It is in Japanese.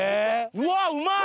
うわぁうまい！